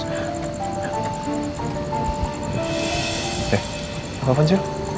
eh apa apaan sih